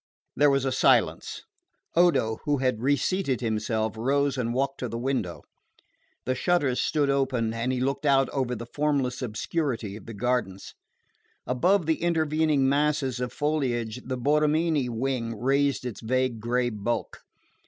There was a silence. Odo, who had reseated himself, rose and walked to the window. The shutters stood open and he looked out over the formless obscurity of the gardens. Above the intervening masses of foliage the Borromini wing raised its vague grey bulk.